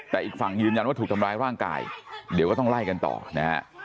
แต่อีกฝั่งยืนยันว่าถูกทำร้ายร่างกายเดี๋ยวก็ต้องไล่กันต่อนะฮะ